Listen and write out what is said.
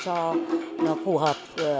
cho nó phù hợp